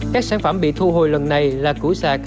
các sản phẩm bị thu hồi lần này là củi sạc